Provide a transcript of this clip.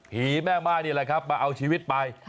แม่ม่ายนี่แหละครับมาเอาชีวิตไป